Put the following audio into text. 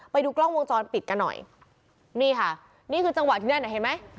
ไปดูกล้องวงจรปิดกันหน่อยนี่ค่ะนี่คือจังหวะที่นั่นอ่ะเห็นไหม